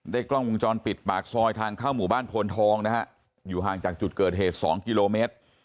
กล้องวงจรปิดปากซอยทางเข้าหมู่บ้านโพนทองนะฮะอยู่ห่างจากจุดเกิดเหตุ๒กิโลเมตร